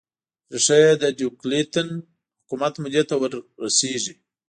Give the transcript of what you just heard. ریښه یې د ډیوکلتین حکومت مودې ته ور رسېږي